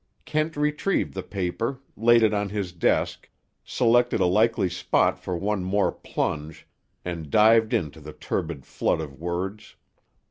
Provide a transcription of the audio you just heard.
Kent retrieved the paper, laid it on his desk, selected a likely spot for one more plunge, and dived into the turbid flood of words.